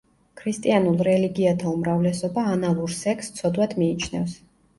ქრისტიანულ რელიგიათა უმრავლესობა ანალურ სექსს ცოდვად მიიჩნევს.